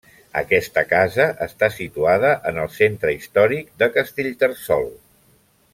Aquesta casa està situada en el centre històric de Castellterçol.